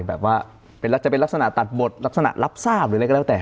แบบว่าจะเป็นลักษณะตัดบทลักษณะรับทราบหรืออะไรก็แล้วแต่